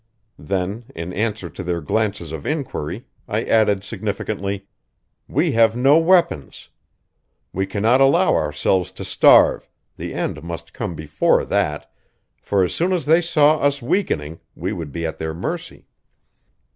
Then, in answer to their glances of inquiry, I added significantly: "We have no weapons. We cannot allow ourselves to starve the end must come before that, for as soon as they saw us weakening we would be at their mercy."